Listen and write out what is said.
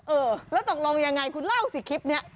เออแล้วตกลงยังไงคุณเล่าสิคลิปนี้